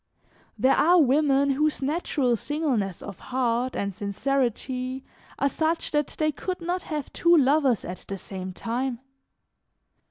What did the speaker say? "There are women whose natural singleness of heart and sincerity are such that they could not have two lovers at the same time.